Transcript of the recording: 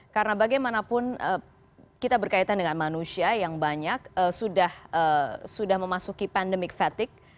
karena bagaimanapun kita berkaitan dengan manusia yang banyak sudah memasuki pandemik fatigue